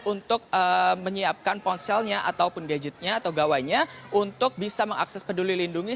untuk menyiapkan ponselnya ataupun gadgetnya atau gawainya untuk bisa mengakses peduli lindungi